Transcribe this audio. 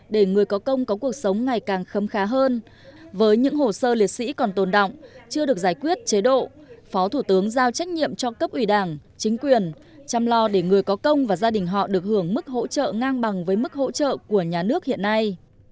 để người có công có cuộc sống ngày càng khấm khá hơn với những hồ sơ liệt sĩ còn tồn động chưa được giải quyết chế độ phó thủ tướng giao trách nhiệm cho cấp ủy đảng chính quyền chăm lo để người có công và gia đình họ được hưởng mức hỗ trợ ngang bằng với mức hỗ trợ của nhà nước hiện nay